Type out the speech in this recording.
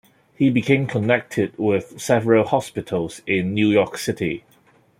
He became connected with several hospitals in New York City.